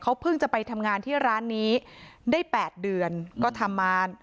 เขาเพิ่งจะไปทำงานที่ร้านนี้ได้๘เดือนก็ทำมา